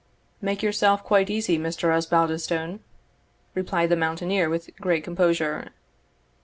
"Make yourself quite easy, Mr. Osbaldistone," replied the mountaineer with great composure.